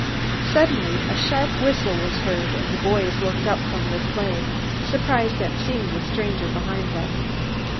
Suddenly a sharp whistle was heard and the boys looked up from their play, surprised at seeing the stranger behind them.